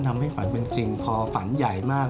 ทำให้ขวัญเป็นจริงพอฝันใหญ่มาก